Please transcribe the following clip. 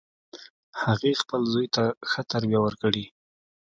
هغې خپل زوی ته ښه تربیه ورکړي